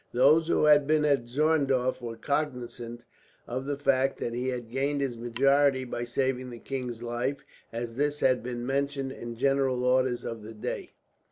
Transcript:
Those who had been at Zorndorf were cognizant of the fact that he had gained his majority by saving the king's life, as this had been mentioned in the general orders of the day.